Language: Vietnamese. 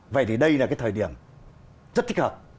vậy thì đây là cái thời điểm rất thích hợp